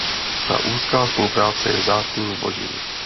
Tak úzká spolupráce je vzácným zbožím.